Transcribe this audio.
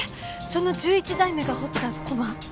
その１１代目が彫った駒？